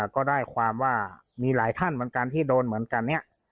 ก็ได้ความว่ามีหลายท่านเหมือนกันที่โดนเหมือนกันเนี่ย